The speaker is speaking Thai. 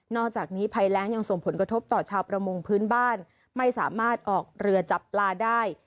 อกจากนี้ภัยแรงยังส่งผลกระทบต่อชาวประมงพื้นบ้านไม่สามารถออกเรือจับปลาได้